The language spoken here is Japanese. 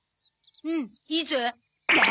うんいいゾ。